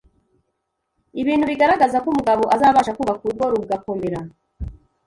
Ibintu bigaragaza ko umugabo azabasha kubaka urugo rugakomera